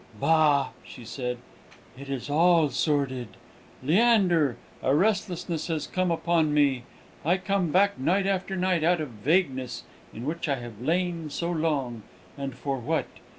"Bah!" she said, "it is all sordid. Leander, a restlessness has come upon me. I come back night after night out of the vagueness in which I have lain so long, and for what?